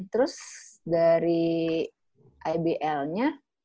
terus dari ibl nya